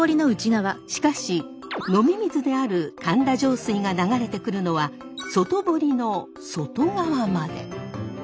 しかし飲み水である神田上水が流れてくるのは外堀の外側まで。